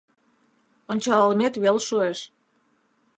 Ончалалмет вел шуэш